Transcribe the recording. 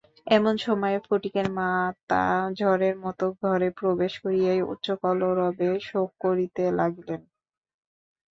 এমন সময়ে ফটিকের মাতা ঝড়ের মতো ঘরে প্রবেশ করিয়াই উচ্চকলরবে শোক করিতে লাগিলেন।